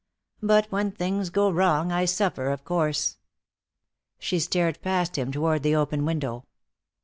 But when things go wrong I suffer, of course." She stared past him toward the open window.